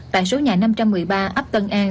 tại số nhà năm trăm một mươi ba ấp tân an